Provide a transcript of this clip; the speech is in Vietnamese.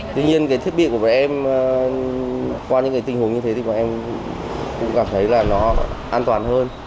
tuy nhiên cái thiết bị của bọn em qua những cái tình huống như thế thì bọn em cũng cảm thấy là nó an toàn hơn